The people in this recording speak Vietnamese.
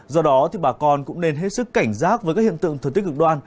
do đó bà con cũng nên hết sức cảnh giác với các hiện tượng thuật tích cực đoan